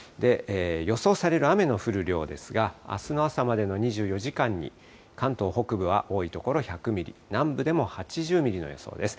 予想される雨の降る量ですが、あすの朝までの２４時間に、関東北部は多い所１００ミリ、南部でも８０ミリの予想です。